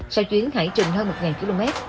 sau chuyến hải trình hơn một km